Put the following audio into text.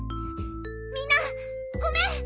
みんなごめん！